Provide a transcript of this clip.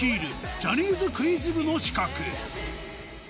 ジャニーズクイズ部の刺客